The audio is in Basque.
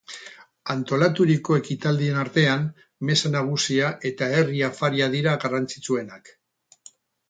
Antolaturiko ekitaldien artean, meza nagusia eta herri afaria dira garrantzitsuenak.